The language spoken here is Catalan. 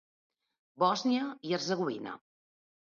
Bòsnia i Hercegovina.